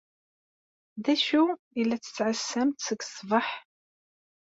D acu i la tettɛassamt seg ṣṣbeḥ?